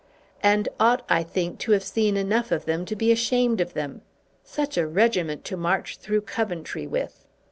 "And ought, I think, to have seen enough of them to be ashamed of them. Such a regiment to march through Coventry with!"